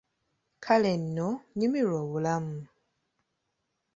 Kale nno, nyumirwa obulamu!